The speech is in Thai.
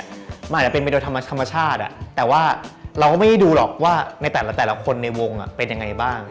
มันอาจจะเป็นไปโดยธรรมชาติแต่ว่าเราก็ไม่ได้ดูหรอกว่าในแต่ละคนในวงเป็นยังไงบ้าง